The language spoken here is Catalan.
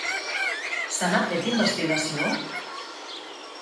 Se n'ha fet investigació?